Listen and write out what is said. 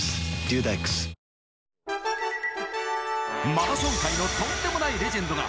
マラソン界のとんでもないレジェンドが